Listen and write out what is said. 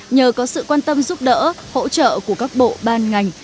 nhờ có sự quan tâm giúp đỡ hỗ trợ của các bộ ban ngành